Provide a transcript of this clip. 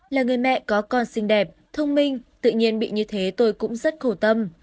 là người mẹ có con xinh đẹp thông minh tự nhiên bị như thế tôi cũng rất khổ tâm